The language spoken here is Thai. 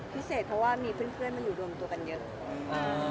พิเศษเพราะว่ามีเพื่อนมาอยู่รวมตัวกันเยอะ